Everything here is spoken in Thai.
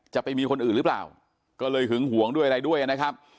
จะไปมีคนอื่นหรือเปล่าก็เลยหึงหวงด้วยอะไรด้วยนะครับ